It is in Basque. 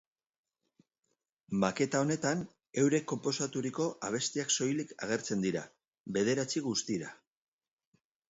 Maketa honetan, eurek konposaturiko abestiak soilik agertzen dira, bederatzi guztira.